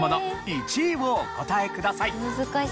１位をお答えください。